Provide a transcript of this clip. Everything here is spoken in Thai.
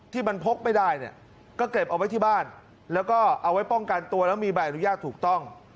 ที่มันพกไม่ได้เนี่ยก็เก็บเอาไว้ที่บ้านแล้วก็เอาไว้ป้องกันตัวแล้วมีใบอนุญาตถูกต้อง